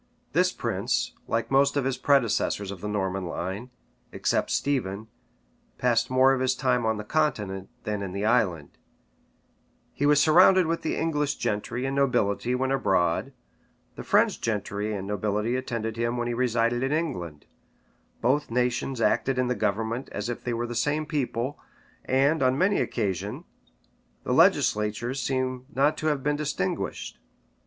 This prince, like most of his predecessors of the Norman line, except Stephen, passed more of his time on the continent than in this island: he was surrounded with the English gentry and nobility when abroad: the French gentry and nobility attended him when he resided in England: both nations acted in the government as if they were the same people; and, on many occasions, the legislatures seem not to have been distinguished.